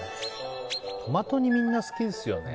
トマト煮、みんな好きですよね。